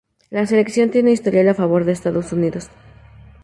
La selección tiene historial a favor de Estados Unidos.